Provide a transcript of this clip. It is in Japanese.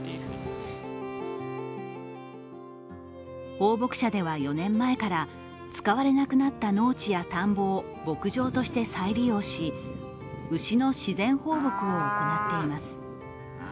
宝牧舎では４年前から使われなくなった農地や田んぼを牧場として再利用し、牛の自然放牧を行っています。